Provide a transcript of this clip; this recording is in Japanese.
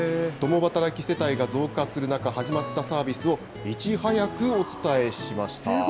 共働き世帯が増加する中、始まったサービスをいち早くお伝えしました。